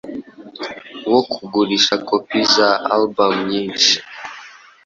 wo kugurisha copy za Album nyinshi